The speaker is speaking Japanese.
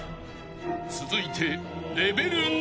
［続いて］